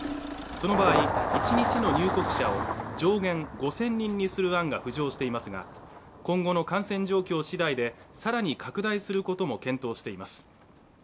その場合１日の入国者を上限５０００人にする案が浮上していますが今後の感染状況次第でさらに拡大することも検討しています